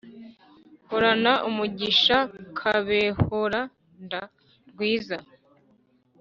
horana umugishakabehoraanda rwiza